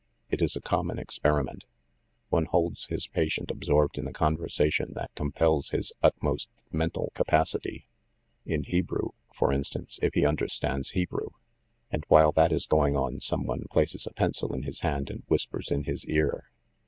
It is a common experiment. One holds his patient ab sorbed in a conversation that compels his utmost men 172 THE MASTER OF MYSTERIES tal capacity, ‚ÄĒ in Hebrew, for instance, if he under stands Hebrew, ‚ÄĒ and while that is going on some one places a pencil in his hand and whispers in his ear.